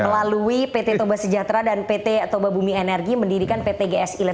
melalui pt toba sejahtera dan pt toba bumi energi mendirikan pt gsi lima